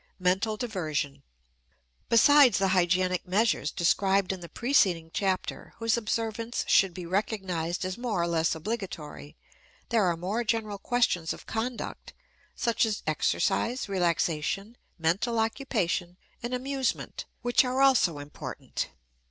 Mental Diversion. Besides the hygienic measures described in the preceding chapter, whose observance should be recognized as more or less obligatory, there are more general questions of conduct, such as exercise, relaxation, mental occupation, and amusement, which are also important.